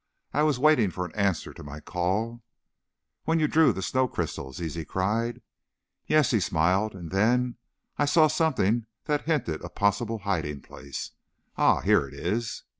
I was waiting for an answer to my call " "When you drew the snow crystal!" Zizi cried. "Yes," he smiled. "And then, I saw something that hinted a possible hiding place ah, here it is!"